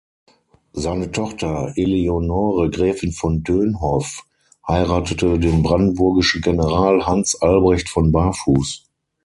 Seine Tochter Eleonore Gräfin von Dönhoff heiratete den brandenburgischen General Hans Albrecht von Barfus.